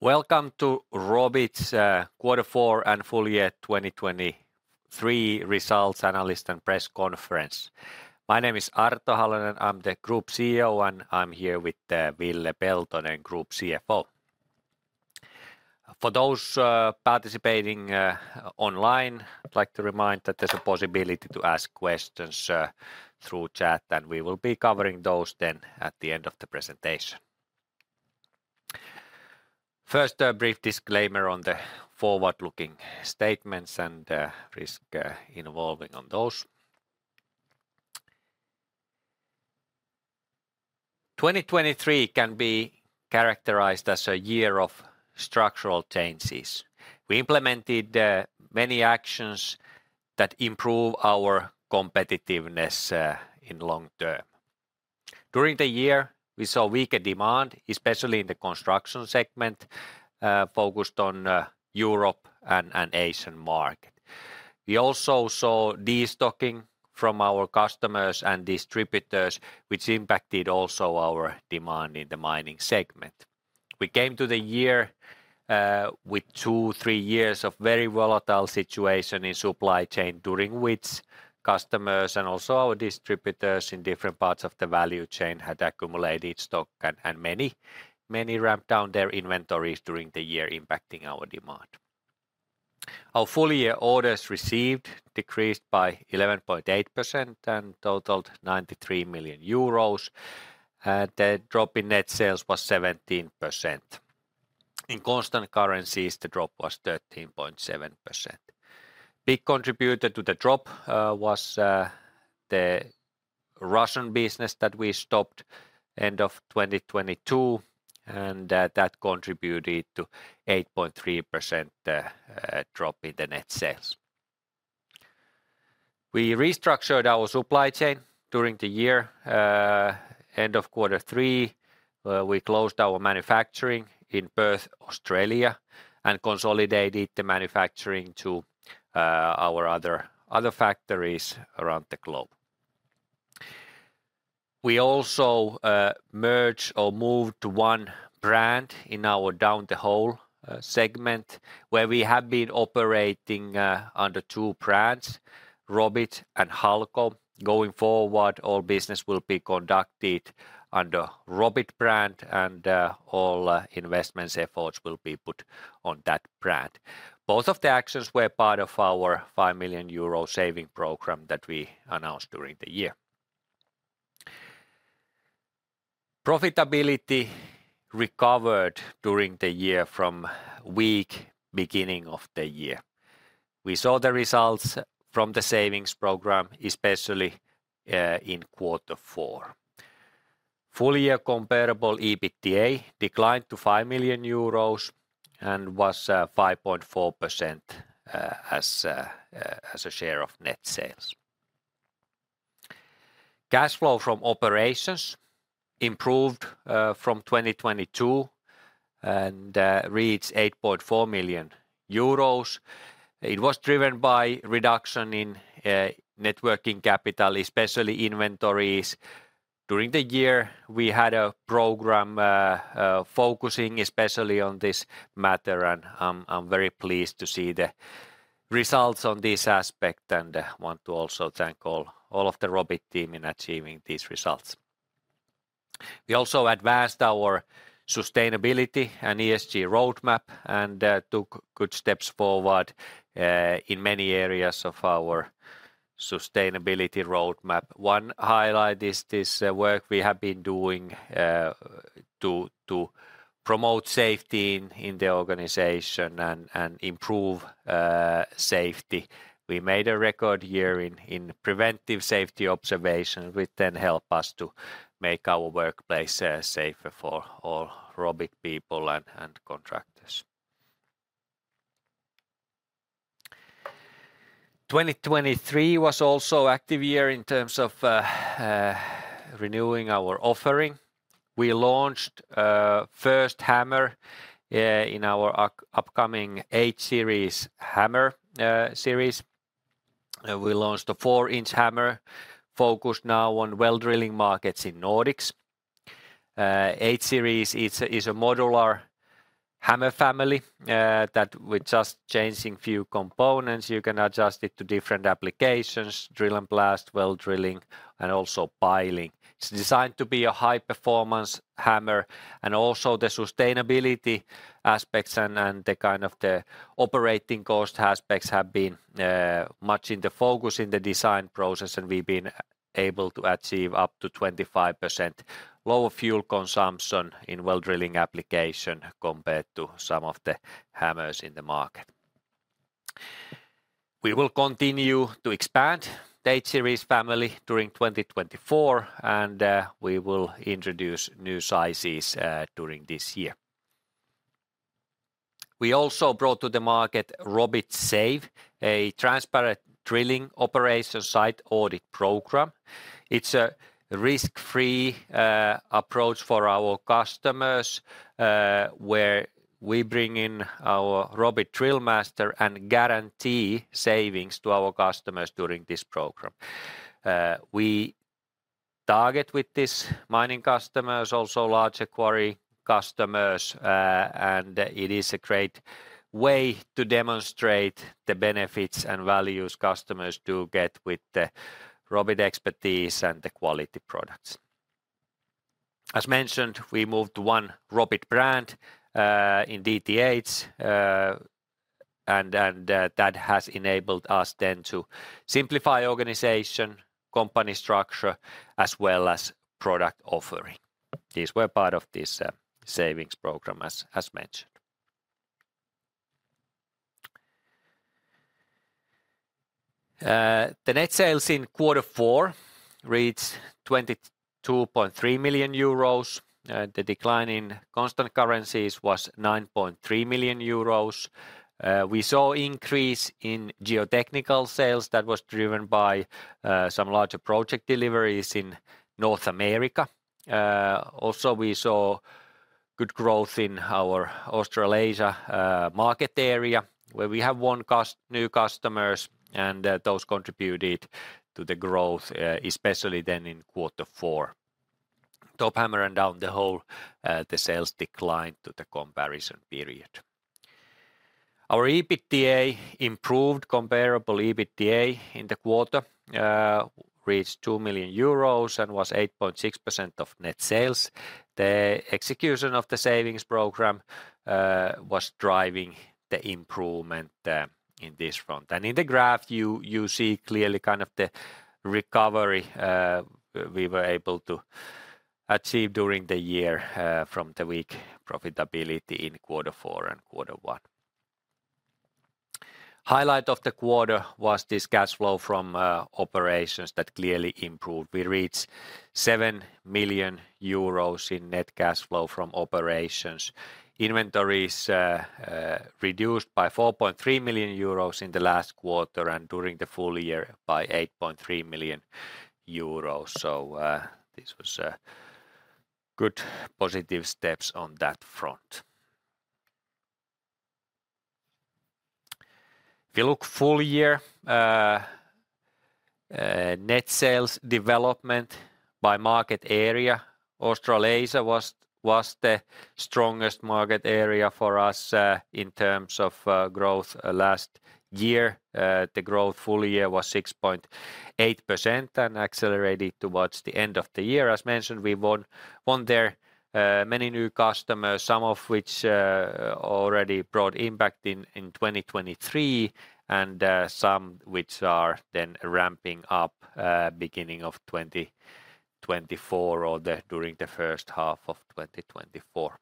Welcome to Robit's quarter four and full year 2023 results analyst and press conference. My name is Arto Halonen, I'm the Group CEO, and I'm here with Ville Peltonen, Group CFO. For those participating online, I'd like to remind that there's a possibility to ask questions through chat, and we will be covering those then at the end of the presentation. First, a brief disclaimer on the forward-looking statements and risk involving on those. 2023 can be characterized as a year of structural changes. We implemented many actions that improve our competitiveness in long term. During the year, we saw weaker demand, especially in the construction segment, focused on Europe and Asian market. We also saw destocking from our customers and distributors, which impacted also our demand in the mining segment. We came to the year with two, three years of very volatile situation in supply chain, during which customers and also our distributors in different parts of the value chain had accumulated stock, and many, many ramped down their inventories during the year, impacting our demand. Our full-year orders received decreased by 11.8% and totaled 93 million euros, and the drop in net sales was 17%. In constant currencies, the drop was 13.7%. Big contributor to the drop was the Russian business that we stopped end of 2022, and that contributed to 8.3% drop in the net sales. We restructured our supply chain during the year. End of quarter three, we closed our manufacturing in Perth, Australia, and consolidated the manufacturing to our other factories around the globe. We also merged or moved to one brand in our Down the Hole segment, where we had been operating under two brands, Robit and Halco. Going forward, all business will be conducted under Robit brand, and all investments efforts will be put on that brand. Both of the actions were part of our 5 million euro saving program that we announced during the year. Profitability recovered during the year from weak beginning of the year. We saw the results from the savings program, especially in quarter four. Full-year comparable EBITDA declined to 5 million euros and was 5.4% as a share of net sales. Cash flow from operations improved from 2022 and reached 8.4 million euros. It was driven by reduction in net working capital, especially inventories. During the year, we had a program focusing especially on this matter, and I'm very pleased to see the results on this aspect and want to also thank all of the Robit team in achieving these results. We also advanced our sustainability and ESG roadmap and took good steps forward in many areas of our sustainability roadmap. One highlight is this work we have been doing to promote safety in the organization and improve safety. We made a record year in preventive safety observation, which then help us to make our workplace safer for all Robit people and contractors. 2023 was also active year in terms of renewing our offering. We launched first hammer in our upcoming H-Series hammer series. We launched a 4-inch hammer focused now on well drilling markets in Nordics. H-Series is a modular hammer family that with just changing few components, you can adjust it to different applications: drill and blast, well drilling, and also piling. It's designed to be a high-performance hammer, and also the sustainability aspects and the kind of the operating cost aspects have been much in the focus in the design process, and we've been able to achieve up to 25% lower fuel consumption in well drilling application compared to some of the hammers in the market. We will continue to expand the H-Series family during 2024, and we will introduce new sizes during this year. We also brought to the market Robit Save, a transparent drilling operation site audit program. It's a risk-free approach for our customers, where we bring in our Robit Drillmaster and guarantee savings to our customers during this program. We target with this mining customers, also larger quarry customers, and it is a great way to demonstrate the benefits and values customers do get with the Robit expertise and the quality products. As mentioned, we moved to one Robit brand in DTH, and that has enabled us then to simplify organization, company structure, as well as product offering. These were part of this savings program, as mentioned. The net sales in quarter four reached 22.3 million euros, and the decline in constant currencies was 9.3 million euros. We saw increase in Geotechnical sales that was driven by some larger project deliveries in North America. Also we saw good growth in our Australasia market area, where we have won new customers, and those contributed to the growth, especially then in quarter four. Top Hammer and Down the Hole, the sales declined to the comparison period. Our EBITDA improved. Comparable EBITDA in the quarter reached 2 million euros and was 8.6% of net sales. The execution of the savings program was driving the improvement in this front. And in the graph, you, you see clearly kind of the recovery we were able to achieve during the year from the weak profitability in quarter four and quarter one. Highlight of the quarter was this cash flow from operations that clearly improved. We reached 7 million euros in net cash flow from operations. Inventories reduced by 4.3 million euros in the last quarter, and during the full year by 8.3 million euros. So, this was good positive steps on that front. If you look full year, net sales development by market area, Australasia was the strongest market area for us, in terms of growth last year. The growth full year was 6.8% and accelerated towards the end of the year. As mentioned, we won there many new customers, some of which already brought impact in 2023, and some which are then ramping up beginning of 2024 or during the first half of 2024.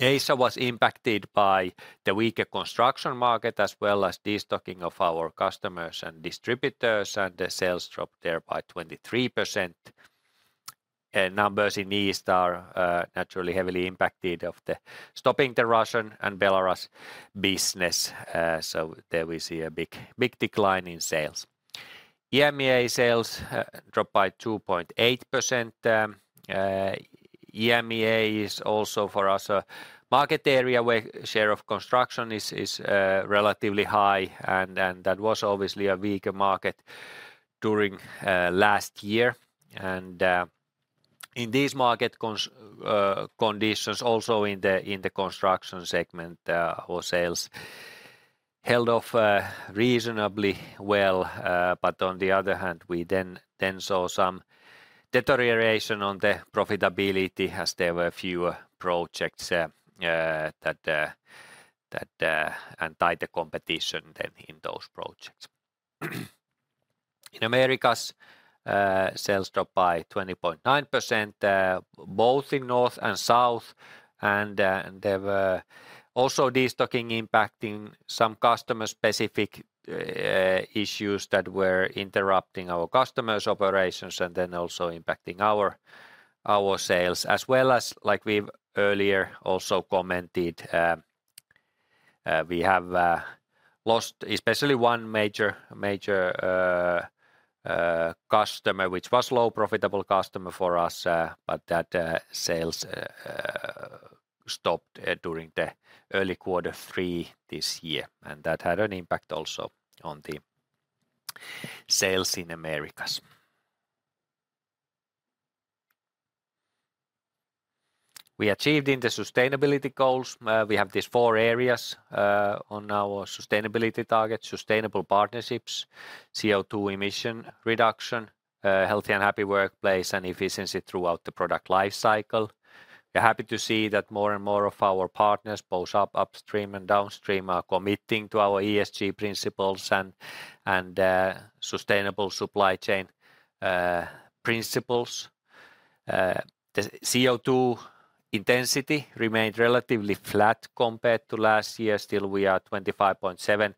Asia was impacted by the weaker construction market, as well as destocking of our customers and distributors, and the sales dropped there by 23%. Numbers in East are naturally heavily impacted by the stopping the Russian and Belarus business, so there we see a big, big decline in sales. EMEA sales dropped by 2.8%. EMEA is also for us a market area where share of construction is relatively high, and that was obviously a weaker market during last year. In these market conditions, also in the construction segment, our sales held off reasonably well. But on the other hand, we then saw some deterioration on the profitability, as there were fewer projects that. And tight competition than in those projects. In Americas, sales dropped by 20.9%, both in North and South, and there were also destocking impacting some customer-specific issues that were interrupting our customers' operations and then also impacting our sales. As well as, like we've earlier also commented, we have lost especially one major customer, which was low profitable customer for us, but that sales stopped during the early quarter three this year, and that had an impact also on the sales in Americas. We achieved in the sustainability goals. We have these four areas on our sustainability targets: sustainable partnerships, CO2 emission reduction, healthy and happy workplace, and efficiency throughout the product life cycle. We're happy to see that more and more of our partners, both upstream and downstream, are committing to our ESG principles and sustainable supply chain principles. The CO2 intensity remained relatively flat compared to last year. Still, we are 25.7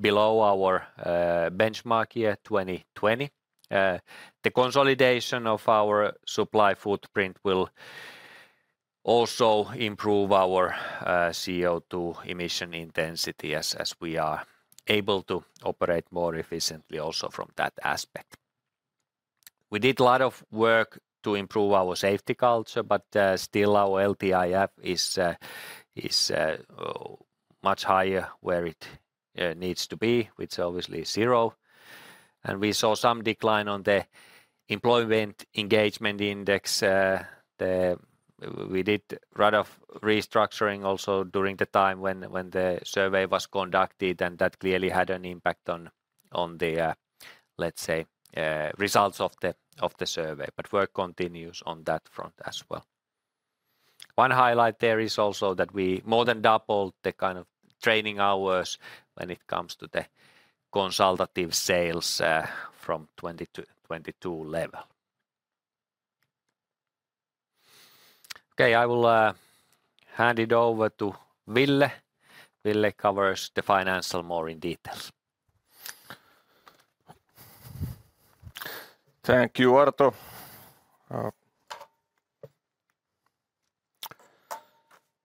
below our benchmark year, 2020. The consolidation of our supply footprint will also improve our CO2 emission intensity as we are able to operate more efficiently also from that aspect. We did a lot of work to improve our safety culture, but still our LTIF is much higher where it needs to be, which obviously is zero. And we saw some decline on the employee engagement index. We did a lot of restructuring also during the time when the survey was conducted, and that clearly had an impact on, let's say, results of the survey, but work continues on that front as well. One highlight there is also that we more than doubled the kind of training hours when it comes to the consultative sales, from 20 to 22 level. Okay, I will hand it over to Ville. Ville covers the financial more in details. Thank you, Arto.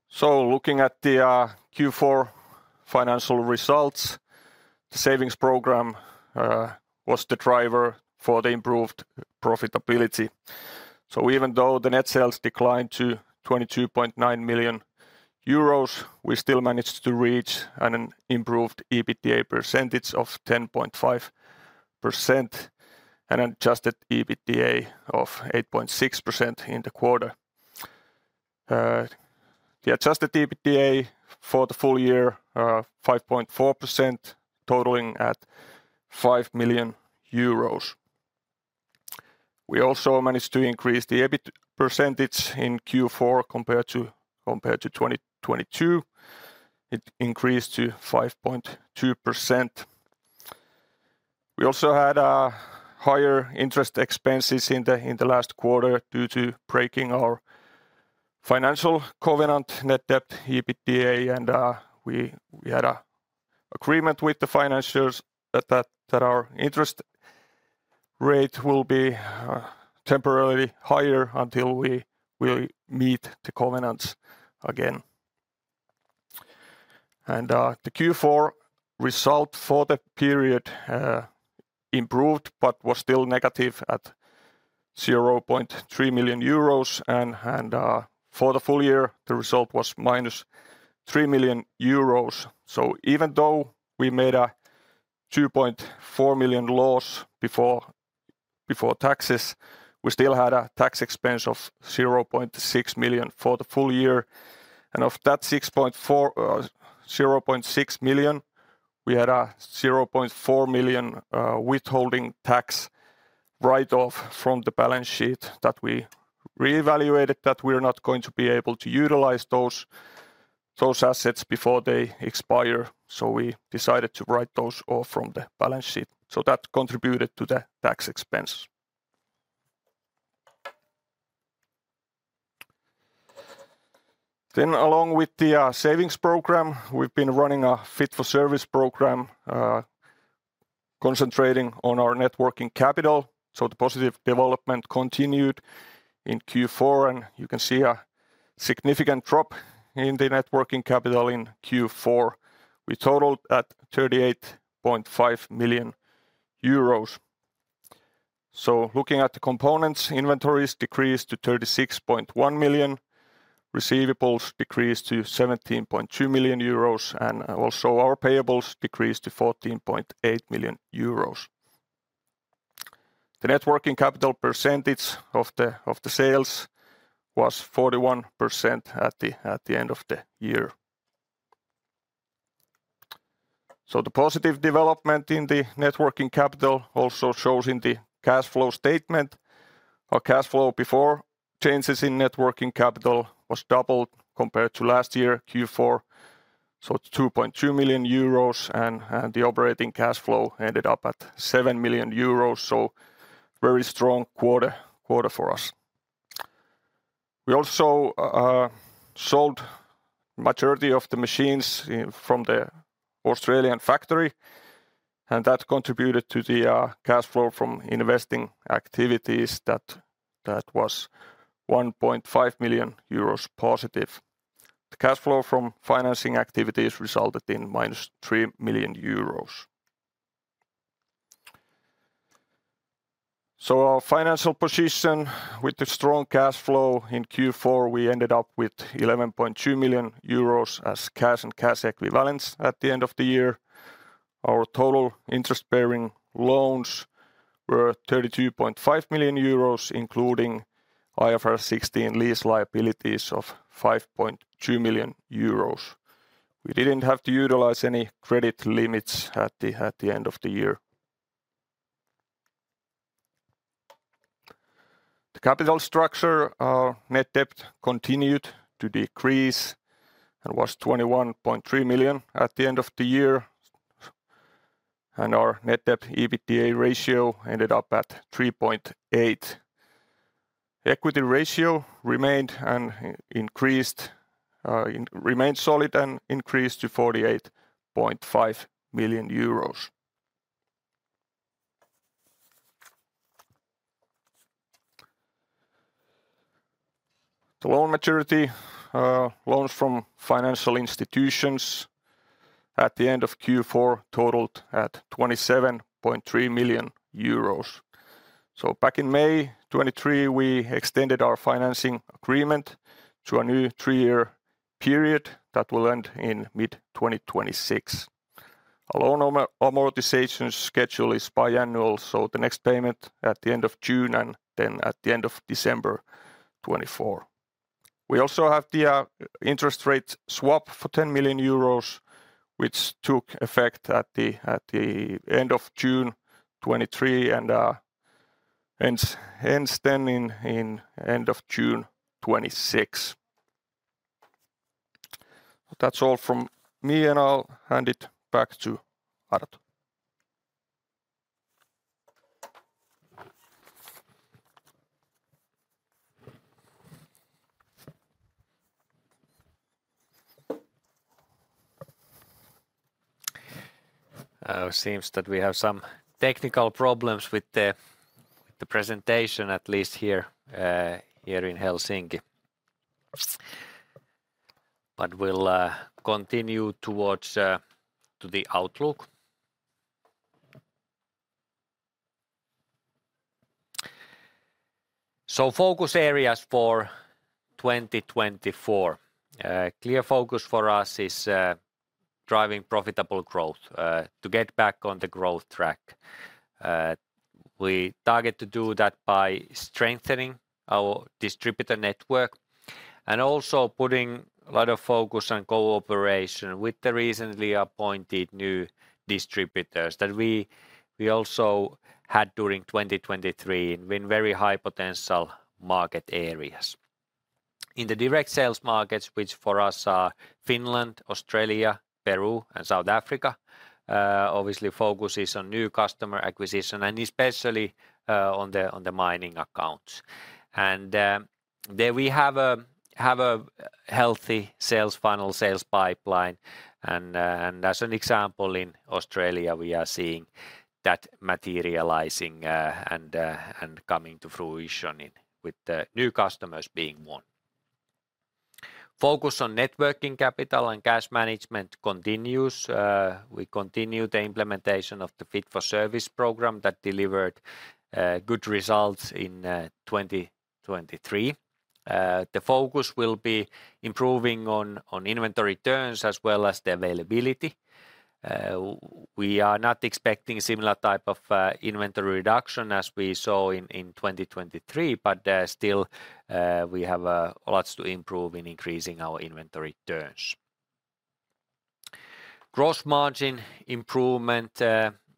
So looking at the Q4 financial results, the savings program was the driver for the improved profitability. So even though the net sales declined to 22.9 million euros, we still managed to reach an improved EBITDA percentage of 10.5%, and adjusted EBITDA of 8.6% in the quarter. The adjusted EBITDA for the full year, 5.4%, totaling at 5 million euros. We also managed to increase the EBIT percentage in Q4 compared to 2022. It increased to 5.2%. We also had higher interest expenses in the last quarter due to breaking our financial covenant net debt, EBITDA, and we had an agreement with the financiers that our interest rate will be temporarily higher until we meet the covenants again. The Q4 result for the period improved but was still negative at 0.3 million euros, and for the full year, the result was -3 million euros. So even though we made a 2.4 million loss before taxes, we still had a tax expense of 0.6 million for the full year. And of that 6.4, 0.6 million, we had a 0.4 million withholding tax write-off from the balance sheet that we reevaluated, that we are not going to be able to utilize those, those assets before they expire, so we decided to write those off from the balance sheet. So that contributed to the tax expense. Then, along with the savings program, we've been running a Fit for Service program concentrating on our net working capital, so the positive development continued in Q4. And you can see a significant drop in the net working capital in Q4. We totaled at 38.5 million euros. So looking at the components, inventories decreased to 36.1 million, receivables decreased to 17.2 million euros, and also our payables decreased to 14.8 million euros. The net working capital percentage of the sales was 41% at the end of the year. So the positive development in the net working capital also shows in the cash flow statement. Our cash flow before changes in net working capital was doubled compared to last year, Q4, so it's 2.2 million euros, and the operating cash flow ended up at 7 million euros, so very strong quarter for us. We also sold majority of the machines from the Australian factory, and that contributed to the cash flow from investing activities that was +1.5 million euros. The cash flow from financing activities resulted in -3 million euros. So our financial position with the strong cash flow in Q4, we ended up with 11.2 million euros as cash and cash equivalents at the end of the year. Our total interest-bearing loans were 32.5 million euros, including IFRS 16 lease liabilities of 5.2 million euros. We didn't have to utilize any credit limits at the end of the year. The capital structure, our net debt continued to decrease and was 21.3 million at the end of the year, and our net debt EBITDA ratio ended up at 3.8. Equity ratio remained solid and increased to 48.5 million euros. The loan maturity, loans from financial institutions at the end of Q4 totaled at 27.3 million euros. So back in May 2023, we extended our financing agreement to a new 3-year period that will end in mid-2026. Our loan amortization schedule is biannual, so the next payment at the end of June, and then at the end of December 2024. We also have the interest rate swap for 10 million euros, which took effect at the end of June 2023, and ends then in end of June 2026. That's all from me, and I'll hand it back to Arto. Seems that we have some technical problems with the presentation, at least here in Helsinki. But we'll continue to the outlook. So focus areas for 2024. Clear focus for us is driving profitable growth to get back on the growth track. We target to do that by strengthening our distributor network and also putting a lot of focus on cooperation with the recently appointed new distributors that we also had during 2023 in very high potential market areas. In the direct sales markets, which for us are Finland, Australia, Peru, and South Africa, obviously focus is on new customer acquisition and especially on the mining accounts. There we have a healthy sales funnel, sales pipeline, and as an example, in Australia, we are seeing that materializing and coming to fruition in with the new customers being won. Focus on net working capital and cash management continues. We continue the implementation of the Fit for Service program that delivered good results in 2023. The focus will be improving on inventory turns as well as the availability. We are not expecting similar type of inventory reduction as we saw in 2023, but still, we have lots to improve in increasing our inventory turns. Gross margin improvement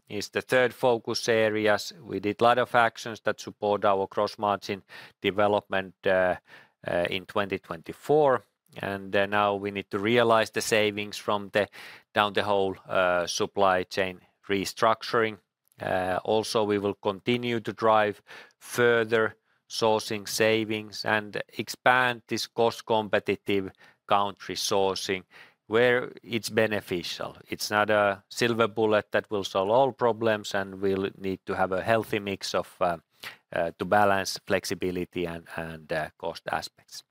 is the third focus areas. We did a lot of actions that support our gross margin development in 2024, and then now we need to realize the savings from the Down the Hole supply chain restructuring. Also, we will continue to drive further sourcing savings and expand this cost-competitive country sourcing where it's beneficial. It's not a silver bullet that will solve all problems, and we'll need to have a healthy mix of to balance flexibility and cost aspects.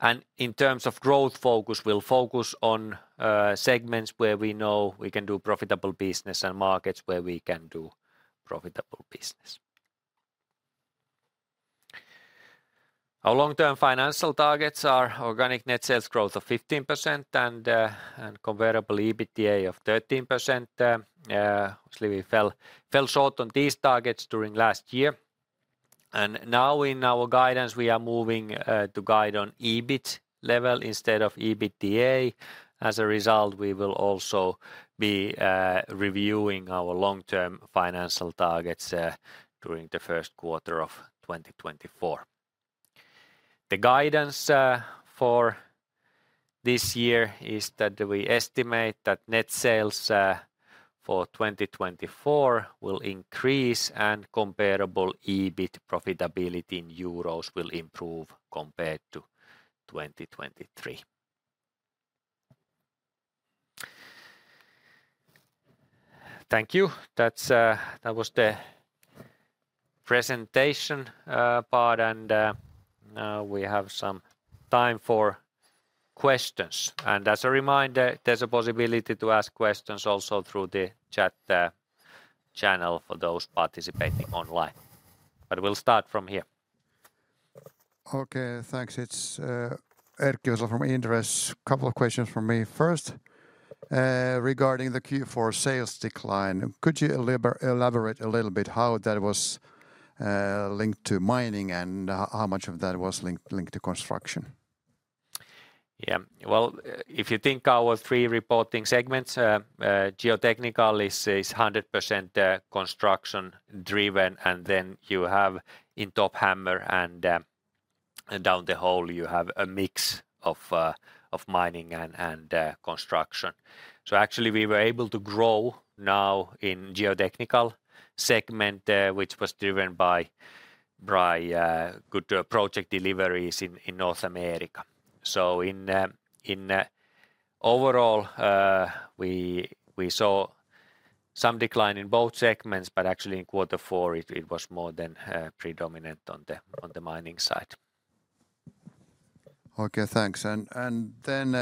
And in terms of growth focus, we'll focus on segments where we know we can do profitable business and markets where we can do profitable business. Our long-term financial targets are organic net sales growth of 15% and Comparable EBITDA of 13%. Obviously, we fell short on these targets during last year, and now in our guidance, we are moving to guide on EBIT level instead of EBITDA. As a result, we will also be reviewing our long-term financial targets during the first quarter of 2024. The guidance for this year is that we estimate that net sales for 2024 will increase and comparable EBIT profitability in euros will improve compared to 2023. Thank you. That's., That was the presentation part, and now we have some time for questions. And as a reminder, there's a possibility to ask questions also through the chat channel for those participating online, but we'll start from here. Okay, thanks. It's Erkki Vesola from Inderes. Couple of questions from me. First, regarding the Q4 sales decline, could you elaborate a little bit how that was linked to mining, and how much of that was linked to construction? Yeah. Well, if you think our three reporting segments, Geotechnical is 100% construction-driven, and then you have in Top Hammer and Down the Hole, you have a mix of mining and construction. So actually, we were able to grow now in Geotechnical segment, which was driven by good project deliveries in North America. So in overall, we saw some decline in both segments, but actually in quarter four, it was more than predominant on the mining side. Okay, thanks. And then,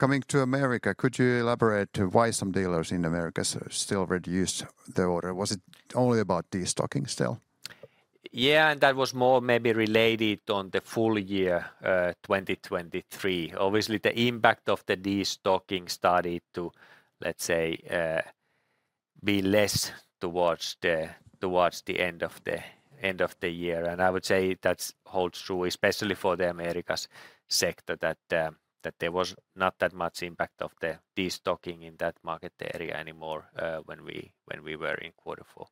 coming to America, could you elaborate why some dealers in America still reduced their order? Was it only about destocking still? Yeah, and that was more maybe related on the full year, 2023. Obviously, the impact of the destocking started to, let's say, be less towards the, towards the end of the, end of the year. And I would say that holds true especially for the Americas sector, that, that there was not that much impact of the destocking in that market area anymore, when we, when we were in quarter four.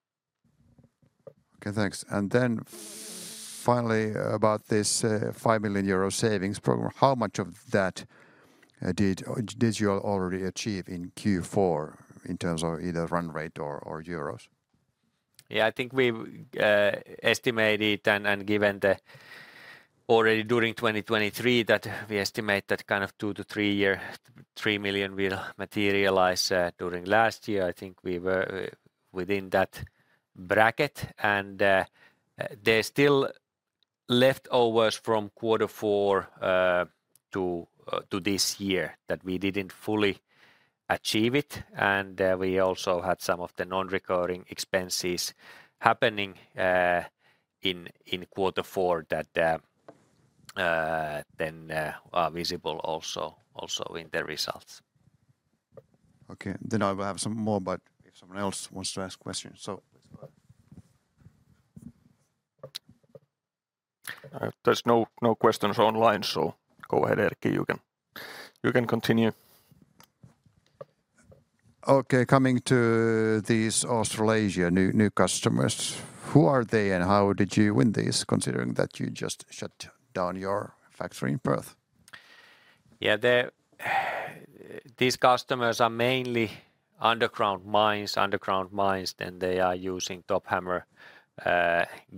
Okay, thanks. And then finally, about this 5 million euro savings program, how much of that did you already achieve in Q4 in terms of either run rate or euros? Yeah, I think we've estimated and given the already during 2023, that we estimate that kind of two to three year 3 million will materialize. During last year, I think we were within that bracket, and there's still leftovers from quarter four to this year that we didn't fully achieve it. And we also had some of the non-recurring expenses happening in quarter four that then visible also in the results. Okay, then I will have some more, but if someone else wants to ask questions, so let's go ahead. There's no questions online, so go ahead, Erkki. You can continue. Okay, coming to these Australasia new customers, who are they, and how did you win this considering that you just shut down your factory in Perth? Yeah, these customers are mainly underground mines, underground mines, and they are using Top Hammer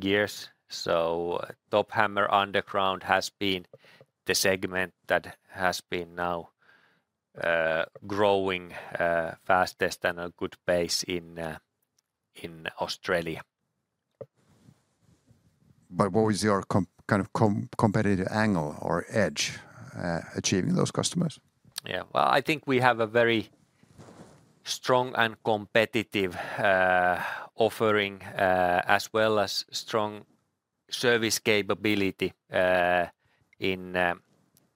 gears. So Top Hammer underground has been the segment that has been now growing fastest and a good base in in Australia. But what is your kind of competitive angle or edge, achieving those customers? Yeah. Well, I think we have a very strong and competitive offering, as well as strong service capability,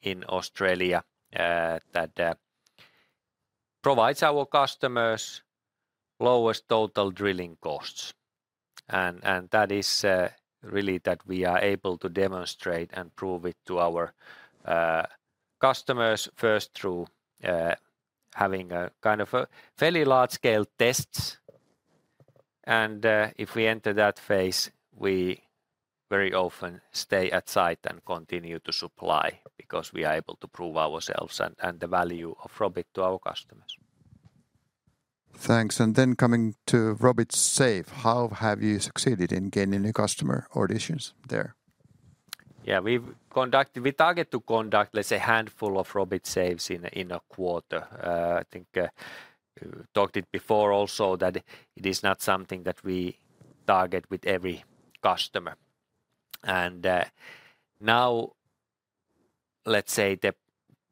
in Australia, that provides our customers lowest total drilling costs. And that is really that we are able to demonstrate and prove it to our customers, first through having a kind of a fairly large-scale tests. And, if we enter that phase, we very often stay at site and continue to supply because we are able to prove ourselves and the value of Robit to our customers. Thanks. And then coming to Robit Save, how have you succeeded in gaining new customer audits there? We target to conduct, let's say, a handful of Robit Saves in a quarter. I think talked it before also that it is not something that we target with every customer. And now, let's say, the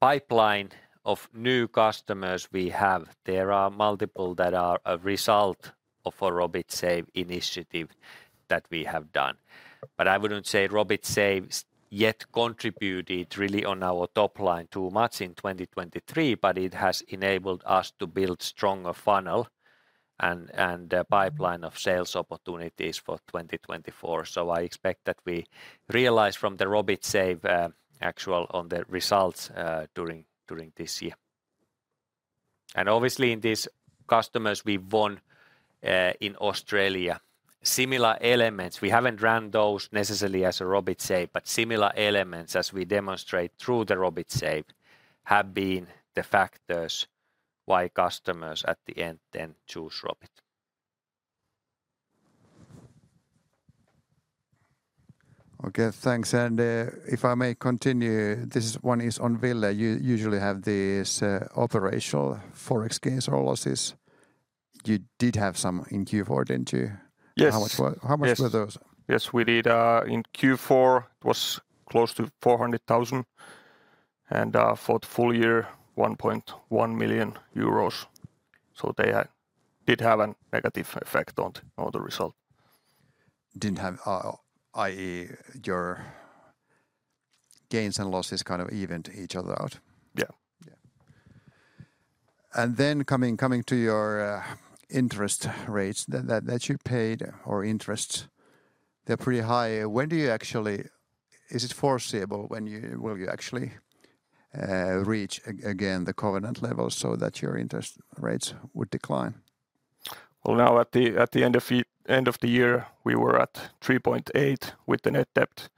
pipeline of new customers we have, there are multiple that are a result of a Robit Save initiative that we have done. But I wouldn't say Robit Saves yet contributed really on our top line too much in 2023, but it has enabled us to build stronger funnel and a pipeline of sales opportunities for 2024. So I expect that we realize from the Robit Save actual on the results during this year. Obviously in these customers we've won in Australia, similar elements, we haven't ran those necessarily as a Robit Save, but similar elements as we demonstrate through the Robit Save have been the factors why customers at the end then choose Robit. Okay, thanks. And, if I may continue, this one is on Ville. You usually have these, operational Forex gains or losses. You did have some in Q4, didn't you? Yes. How much were Yes How much were those? Yes, we did. In Q4, it was close to 400,000, and for the full year, 1.1 million euros. So they did have a negative effect on the result. Didn't have i.e., your gains and losses kind of evened each other out? Yeah. Yeah. And then coming to your interest rates that you paid or interests, they're pretty high. When do you actually, Is it foreseeable when you will actually reach again the covenant levels so that your interest rates would decline? Well, now at the end of the year, we were at 3.8 with the net debt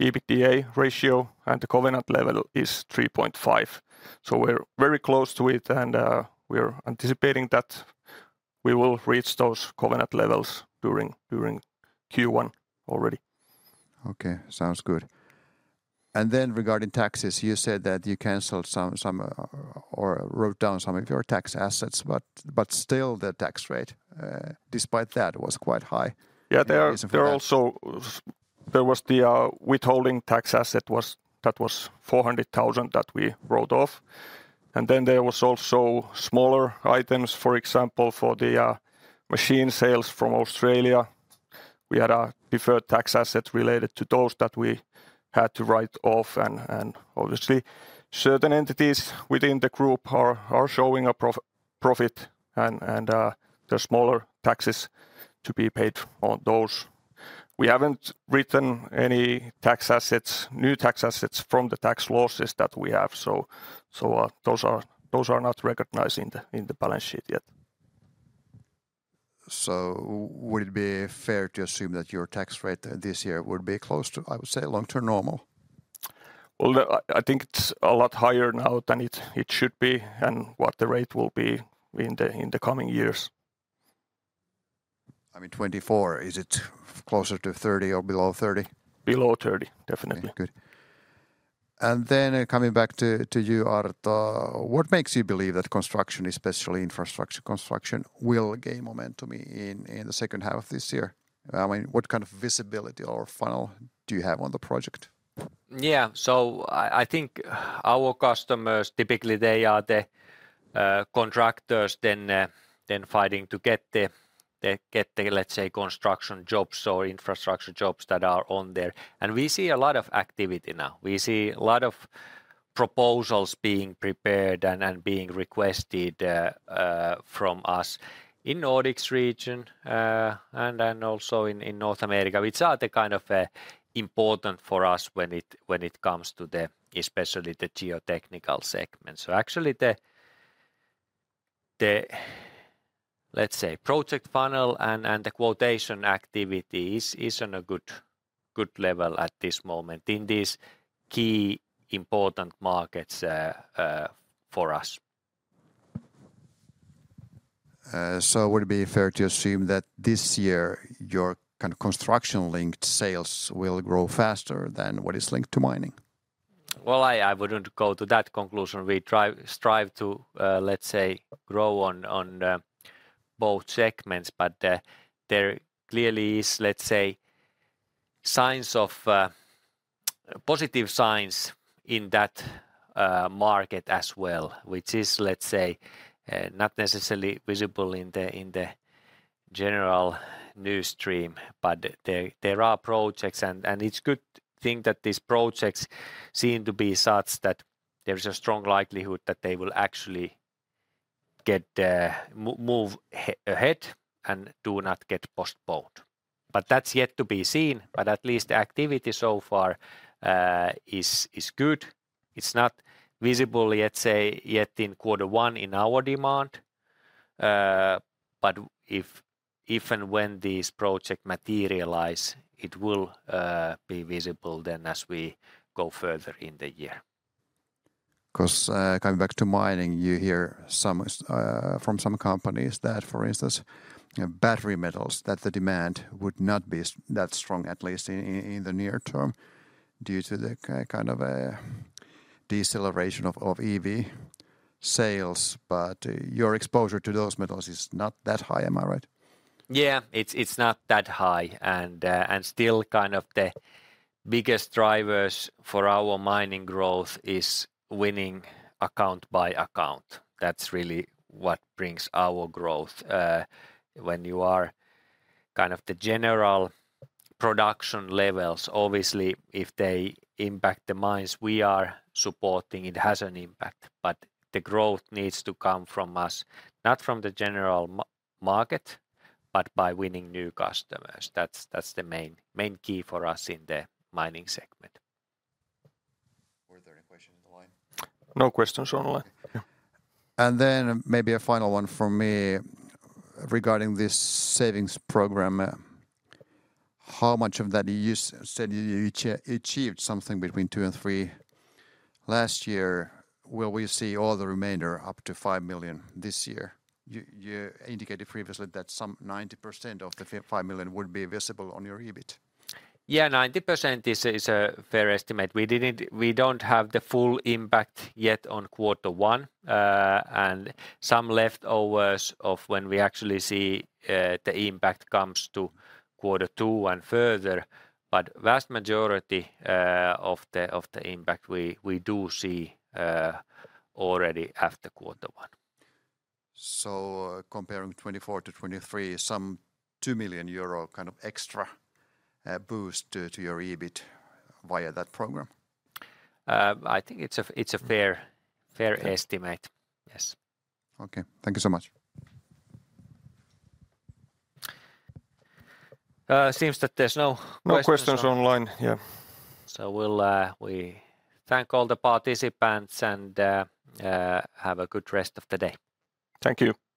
EBITDA ratio, and the covenant level is 3.5. So we're very close to it, and we are anticipating that we will reach those covenant levels during Q1 already. Okay, sounds good. And then regarding taxes, you said that you canceled some or wrote down some of your tax assets, but still the tax rate, despite that was quite high. Yeah, there The reason for that? There also there was the withholding tax asset. That was 400,000 that we wrote off, and then there was also smaller items. For example, for the machine sales from Australia, we had a deferred tax asset related to those that we had to write off, and obviously, certain entities within the group are showing a profit and there's smaller taxes to be paid on those. We haven't written any tax assets, new tax assets from the tax losses that we have, so those are not recognized in the balance sheet yet. So would it be fair to assume that your tax rate, this year would be close to, I would say, long-term normal? Well, I think it's a lot higher now than it should be and what the rate will be in the coming years. I mean, 2024, is it closer to 30 or below 30? Below 30, definitely. Okay, good. And then coming back to you, Arto, what makes you believe that construction, especially infrastructure construction, will gain momentum in the second half of this year? I mean, what kind of visibility or funnel do you have on the project? Yeah, so I, I think our customers, typically they are the, contractors, then, then fighting to get the, get the, let's say, construction jobs or infrastructure jobs that are on there, and we see a lot of activity now. We see a lot of proposals being prepared and, and being requested, from us in Nordics region, and then also in, in North America, which are the kind of, important for us when it, when it comes to the, especially the Geotechnical segment. So actually, the, the, let's say, project funnel and, and the quotation activity is, is on a good, good level at this moment in these key important markets, for us. So, would it be fair to assume that this year, your kind of construction-linked sales will grow faster than what is linked to mining? Well, I wouldn't go to that conclusion. We strive to, let's say, grow on both segments, but there clearly is, let's say, signs of positive signs in that market as well, which is, let's say, not necessarily visible in the general news stream, but there are projects. And it's good thing that these projects seem to be such that there is a strong likelihood that they will actually get move ahead and do not get postponed. But that's yet to be seen, but at least activity so far is good. It's not visible, let's say, yet in quarter one in our demand. But if and when these project materialize, it will be visible then as we go further in the year. 'Cause, going back to mining, you hear some from some companies that, for instance, battery metals, that the demand would not be so that strong, at least in the near term, due to the kind of a deceleration of EV sales. But, your exposure to those metals is not that high, am I right? Yeah, it's not that high, and still kind of the biggest drivers for our mining growth is winning account by account. That's really what brings our growth. When you are kind of the general production levels, obviously, if they impact the mines we are supporting, it has an impact. But the growth needs to come from us, not from the general market, but by winning new customers. That's the main key for us in the mining segment. No questions on the line. Yeah. And then maybe a final one from me regarding this savings program. How much of that you said you achieved something between 2 million and 3 million last year. Will we see all the remainder up to 5 million this year? You indicated previously that some 90% of the 5 million would be visible on your EBIT. Yeah, 90% is a fair estimate. We don't have the full impact yet on quarter one, and some leftovers of when we actually see the impact comes to quarter two and further, but vast majority of the impact we do see already after quarter one. Comparing 2024 to 2023, some 2 million euro kind of extra boost to your EBIT via that program? I think it's a fair, fair estimate. Yes. Okay. Thank you so much. Seems that there's no questions. No questions online, yeah. We thank all the participants, and have a good rest of the day. Thank you.